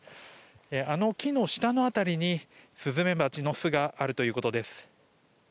あの木の下の辺りにスズメバチの巣があるということです。